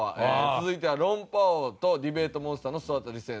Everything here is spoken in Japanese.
続いては論破王とディベートモンスターの総当たり戦。